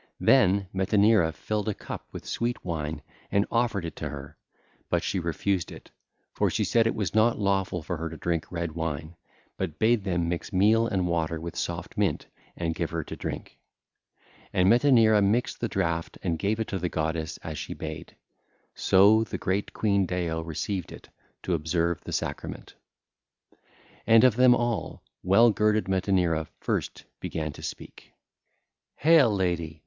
Then Metaneira filled a cup with sweet wine and offered it to her; but she refused it, for she said it was not lawful for her to drink red wine, but bade them mix meal and water with soft mint and give her to drink. And Metaneira mixed the draught and gave it to the goddess as she bade. So the great queen Deo received it to observe the sacrament.... 2507 ((LACUNA)) (ll. 212 223) And of them all, well girded Metaneira first began to speak: 'Hail, lady!